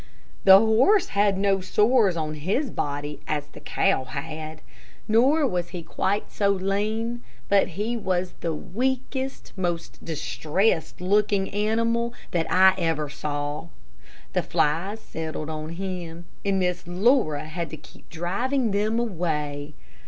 The horse had no sores on his body, as the cow had, nor was he quite so lean; but he was the weakest, most distressed looking animal that I ever saw. The flies settled on him, and Miss Laura had to keep driving them away.